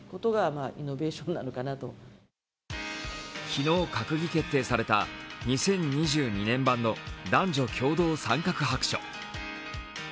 昨日閣議決定された２０２２年版の男女共同参画白書。